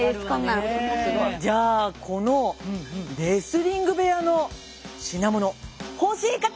じゃあこのレスリング部屋の品物欲しい方！